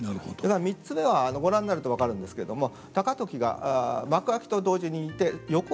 ３つ目はご覧になると分かるんですけども高時が幕開きと同時にいて横を向いているわけです。